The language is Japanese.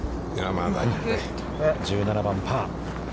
１７番、パー。